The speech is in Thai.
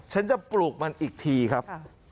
ฉันจะปลูกมันอีกทีครับ